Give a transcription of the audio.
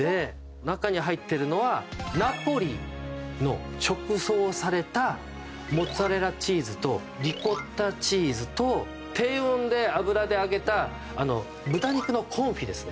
中に入ってるのはナポリの直送されたモッツァレラチーズとリコッタチーズと低温で油で揚げた豚肉のコンフィですね。